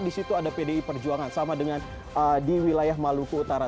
di situ ada pdi perjuangan sama dengan di wilayah maluku utara